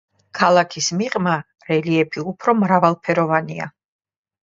ქალაქის მიღმა რელიეფი უფრო მრავალფეროვანია.